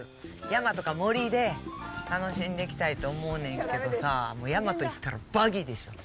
山とか、森で楽しんでいきたいと思うねんけどさ山といったらバギーでしょう。